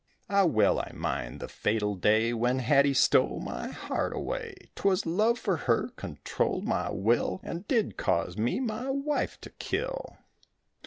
Ah, well I mind the fatal day When Hatty stole my heart away; 'Twas love for her controlled my will And did cause me my wife to kill.